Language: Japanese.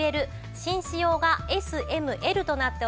紳士用がＳＭＬとなっております。